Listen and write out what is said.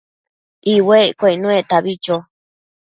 iuecquio icnuectabi cho